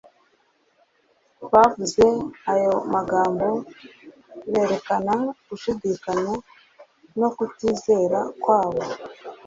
Bavuze ayo magambo berekana gushidikanya no kutizera kwabo.